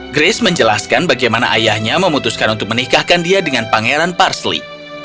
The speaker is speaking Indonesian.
grace menjelaskan bagaimana ayahnya memutuskan untuk menikahkan dia dengan pangeran parsley